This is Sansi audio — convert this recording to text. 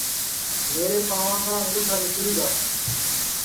میرے پانٚوا کا انٚگُٹھا نیکݪی گا